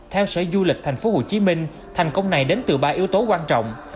theo sở du lịch tp hcm thành công này đến từ ba yếu tố quan trọng